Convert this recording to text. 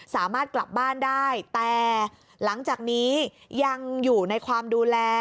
สามารถกลับบ้านได้แต่หลังจากนี้ยังอยู่ในความดูแล